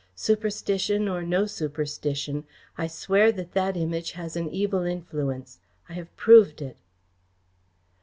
Superstition or no superstition, I swear that that Image has an evil influence. I have proved it."